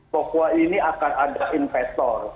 bahwa ini akan ada investor